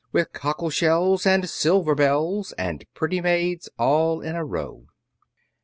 With cockle shells and silver bells And pretty maids all in a row.